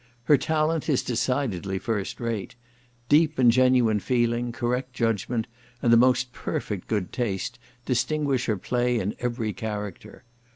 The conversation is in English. Her talent is decidedly first rate. Deep and genuine feeling, correct judgment, and the most perfect good taste, distinguish her play in every character.